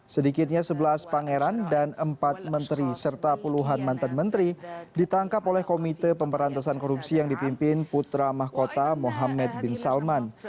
sedikitnya sebelas pangeran dan empat menteri serta puluhan mantan menteri ditangkap oleh komite pemberantasan korupsi yang dipimpin putra mahkota mohamed bin salman